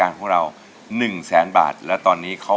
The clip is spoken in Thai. ร้องได้ด้วยนะ